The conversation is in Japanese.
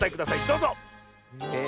どうぞ！え。